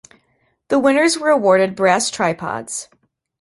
The winners were awarded brass tripods.